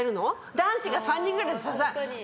男子が３人くらいで支える。